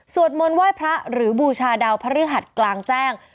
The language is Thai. มนต์ไหว้พระหรือบูชาดาวพระฤหัสกลางแจ้ง